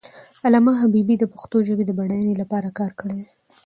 علامه حبیبي د پښتو ژبې د بډاینې لپاره کار کړی دی.